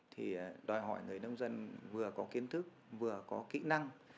thì đòi hỏi người nông dân vừa có kiến thức vừa có kỹ năng